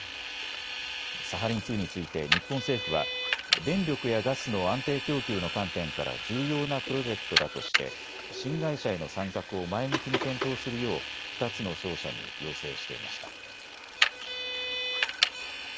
サハリン２について日本政府は電力やガスの安定供給の観点から重要なプロジェクトだとして新会社への参画を前向きに検討するよう２つの商社に要請していました。